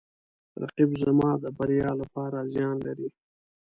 رقیب زما د بریا لپاره زیان لري